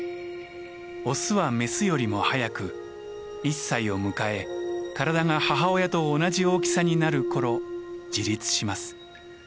オスはメスよりも早く１歳を迎え体が母親と同じ大きさになる頃自立します。